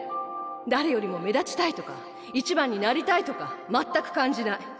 誰よりも目立ちたいとかいちばんになりたいとか全く感じない。